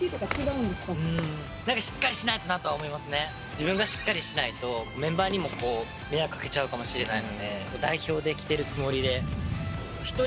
自分がしっかりしないとメンバーにも迷惑かけちゃうかもしれないので。